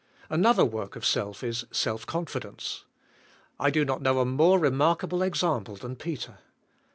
Another work of self is self confidence. I do not know a more remarkable example than Peter.